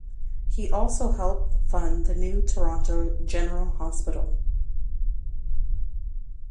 He also helped fund the new Toronto General Hospital.